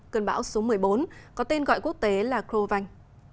cơn bão số một mươi bốn có tên gọi quốc tế là cro vanh